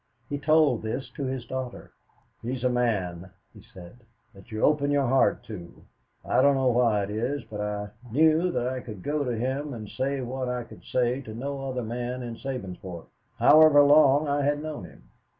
He told this to his daughter. "He is a man," he said, "that you open your heart to. I don't know why it is, but I knew that I could go to him and say what I could say to no other man in Sabinsport, however long I had known him.